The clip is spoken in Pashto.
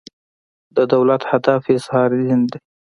د دولت هدف اظهار دین دی.